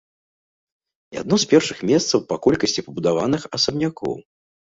І адно з першых месцаў па колькасці пабудаваных асабнякоў.